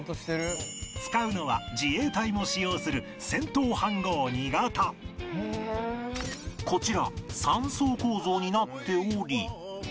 使うのは自衛隊も使用するこちら３層構造になっており